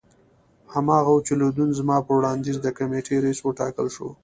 هماغه وو چې لودین زما په وړاندیز د کمېټې رییس وټاکل شو.